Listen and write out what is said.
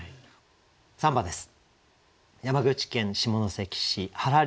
３番です。